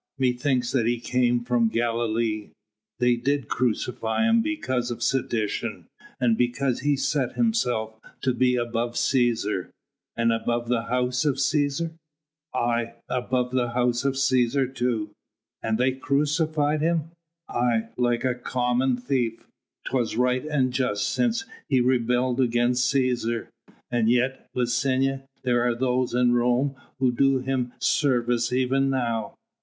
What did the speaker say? Methinks that he came from Galilee. They did crucify him because of sedition, and because he set himself to be above Cæsar." "And above the House of Cæsar?" "Aye! above the House of Cæsar too." "And they crucified him?" "Aye! like a common thief. 'Twas right and just since he rebelled against Cæsar." "And yet, Licinia, there are those in Rome who do him service even now."